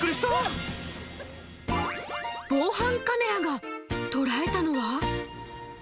防犯カメラが捉えたのは？